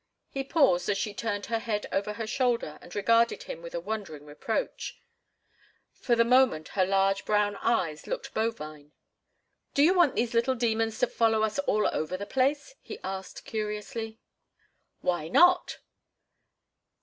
He paused as she turned her head over her shoulder and regarded him with a wondering reproach. For the moment her large brown eyes looked bovine. "Do you want these little demons to follow us all over the place?" he asked, curiously. "Why not?"